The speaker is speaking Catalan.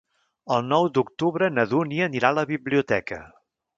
El nou d'octubre na Dúnia anirà a la biblioteca.